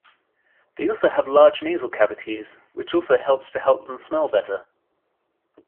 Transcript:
They also have large nasal cavities, which also helps to help them smell better.